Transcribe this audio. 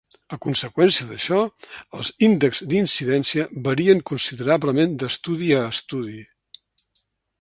A conseqüència d'això, els índexs d'incidència varien considerablement d'estudi a estudi.